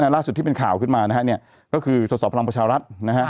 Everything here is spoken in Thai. ล่าสุดที่เป็นข่าวขึ้นมาก็คือศตรีศพลังประชาวรัฐ